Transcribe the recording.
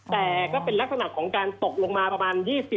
แต่ก็เป็นลักษณะของการตกลงมาประมาณ๒๐